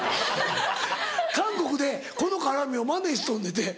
韓国でこの絡みをマネしとんのやて。